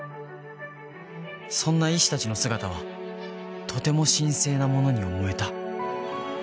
そんな医師たちの姿はとても神聖なものに思えた